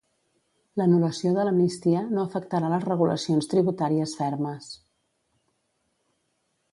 L'anul·lació de l'amnistia no afectarà les regulacions tributàries fermes.